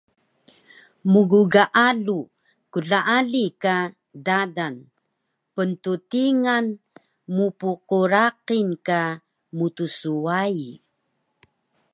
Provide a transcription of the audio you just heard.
Mggaalu klaali ka dadal, pnttingan mpqraqil ka mtswai